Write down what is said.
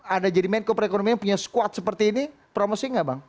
anda jadi menko perekonomian punya squad seperti ini promosi nggak bang